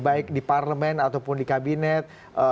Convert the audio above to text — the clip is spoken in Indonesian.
baik di parlemen ataupun di kabinet